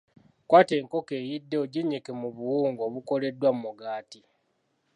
Kwata enkoko eyidde oginnyike mu buwunga obukoleddwa mu mugaati.